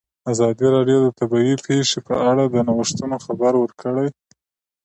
ازادي راډیو د طبیعي پېښې په اړه د نوښتونو خبر ورکړی.